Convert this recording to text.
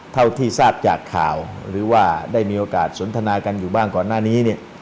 เท่าที่ทราบจากข่าวหรือว่าได้มีโอกาสสนทนากันอยู่บ้างก่อนหน้านี้เนี่ย